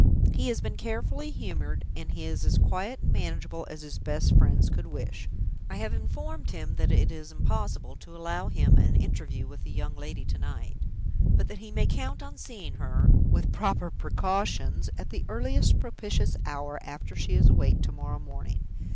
He has been carefully humored, and he is as quiet and manageable as his best friends could wish. I have informed him that it is impossible to allow him an interview with the young lady to night; but that he may count on seeing her (with the proper precautions) at the earliest propitious hour, after she is awake to morrow morning.